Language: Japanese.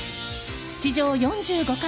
地上４５階